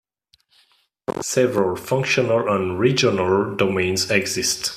Several functional and regional domains exist.